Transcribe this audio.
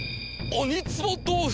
鬼壺豆腐？